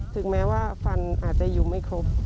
ถึงแม้ว่าฟันอาจจะอยู่ไม่ครบ